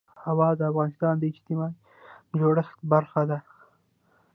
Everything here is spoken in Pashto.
هوا د افغانستان د اجتماعي جوړښت برخه ده.